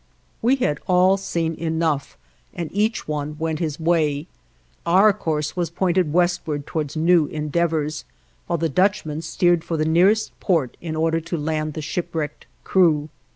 We had all seen enough, and each one went his way. Our course was pointed westward towards new endeavors, while the Dutchman steered for the nearest port in order to land the shipwrecked crew.